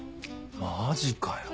マジかよ。